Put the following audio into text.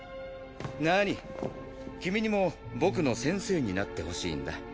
なに君にも僕の先生になってほしいんだ。